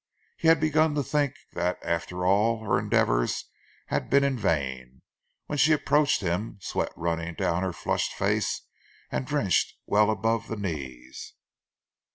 He had begun to think that after all her endeavours had been in vain, when she approached him, sweat running down her flushed face, and drenched well above the knees.